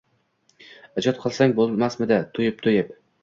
«Ijod qilsang bo‘lmasmidi to‘yib-to‘yib